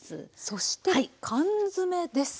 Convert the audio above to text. そして缶詰です。